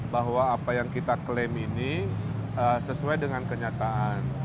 bahwa apa yang kita klaim ini sesuai dengan kenyataan